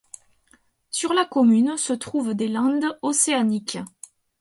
Sur la commune se trouvent des landes océaniques.